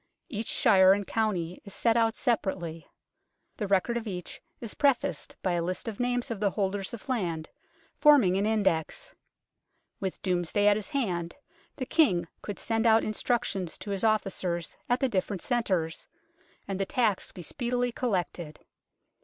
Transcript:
Each shire and county is set out separately. The record of each is prefaced by a list of names of the holders of land, forming an index. With Domesday at his hand, the King could send out instructions to his officers at the different centres, and the tax be speedily collected.